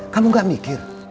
kamu gak mikir